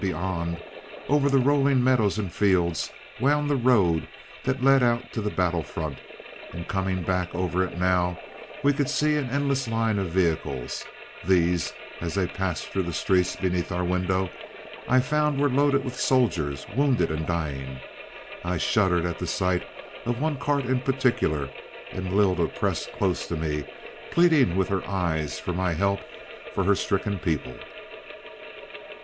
Beyond, over the rolling meadows and fields, wound the road that led out to the battle front, and coming back over it now, we could see an endless line of vehicles. These, as they passed through the street beneath our window, I found were loaded with soldiers, wounded and dying. I shuddered at the sight of one cart in particular, and Lylda pressed close to me, pleading with her eyes for my help for her stricken people.